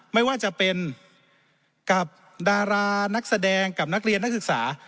ไม่ว่าจะเป็นกับดารานักแสดงกับนักเรียนนักศึกษา